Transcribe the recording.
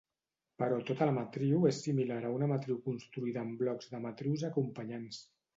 Però tota matriu és similar a una matriu construïda amb blocs de matrius acompanyants.